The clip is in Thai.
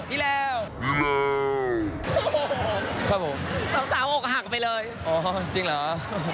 ไม่ได้โปรดปิดอะไรเนาะ